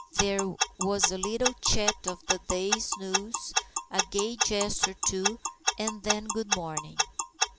There was a little chat of the day's news, a gay jest or two, and then good morning.